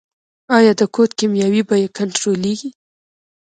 آیا د کود کیمیاوي بیه کنټرولیږي؟